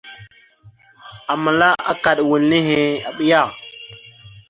Aməla akaɗ wal nehe, aɓiya.